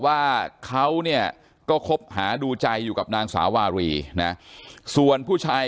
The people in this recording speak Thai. ว่าเขาเนี่ยก็คบหาดูใจอยู่กับนางสาวารีนะส่วนผู้ชาย